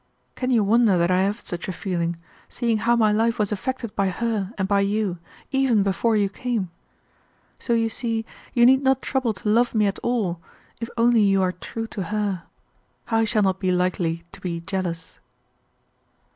Can you wonder that I have such a feeling, seeing how my life was affected by her and by you, even before you came. So you see you need not trouble to love me at all, if only you are true to her. I shall not be likely to be jealous."